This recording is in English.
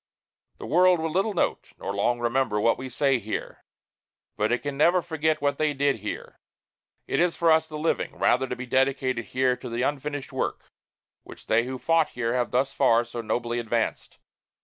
The world will little note, nor long remember, what we say here, but it can never forget what they did here. It is for us, the living, rather, to be dedicated here to the unfinished work which they who fought here have thus far so nobly advanced.